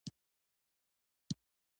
د کار ترکیب مالکیت رامنځته کوي.